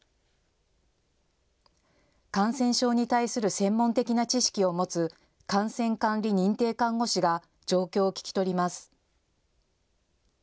感染症に対する専門的な知識を持つ感染管理認定看護師が状況を聞き取ります。